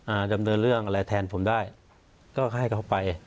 ดำเนินเรื่องอะไรแทนผมได้ก็ให้เขาไป